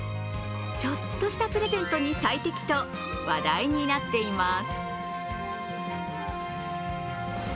ちょっとしたプレゼントに最適と話題になっています。